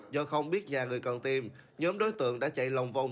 do không biết nhà người cần tìm nhóm đối tượng đã chạy lòng vòng